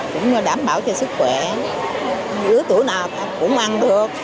cũng đảm bảo cho sức khỏe lứa tuổi nào cũng ăn được